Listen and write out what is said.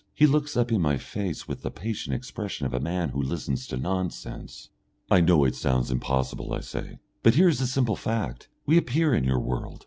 He looks up in my face with the patient expression of a man who listens to nonsense. "I know it sounds impossible," I say, "but here is the simple fact we appear in your world.